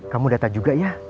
kamu data juga ya